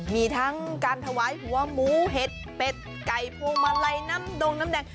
มีทั้งการถวายหัวหมูเห็ดเป็ดไก่พวงมาลัยน้ำดงน้ำแดง